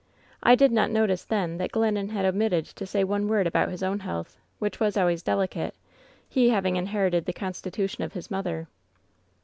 I did not notice then that Glennon had omitted to say one word about his ovni health, which was always delicate, he having inherited the constitution of his mother.